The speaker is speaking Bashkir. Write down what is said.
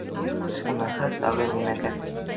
— Уныһы тағы нимәгә?